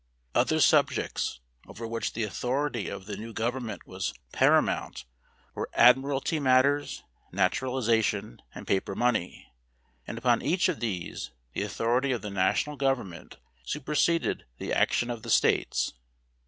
Other subjects over which the authority of the new government was paramount were admiralty matters, naturalisation, and paper money; and upon each of these the authority of the national government superseded the action of the States.